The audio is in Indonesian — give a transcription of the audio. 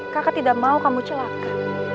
kakak tidak mau kamu celaka